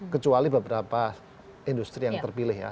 kecuali beberapa industri yang terpilih ya